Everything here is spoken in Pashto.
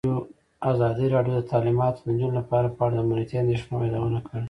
ازادي راډیو د تعلیمات د نجونو لپاره په اړه د امنیتي اندېښنو یادونه کړې.